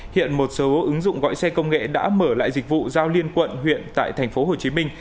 hiện một số ứng dụng gọi xe công nghệ đã mở lại dịch vụ giao liên quận huyện tại tp hcm